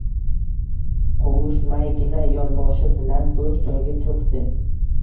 Qovushmaygina, yonboshi bilan bo’sh joyga cho’kdi.